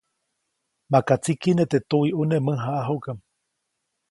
Maka tsikiʼne teʼ tuwiʼune mäjaʼajuʼkam.